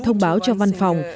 thông báo cho văn phòng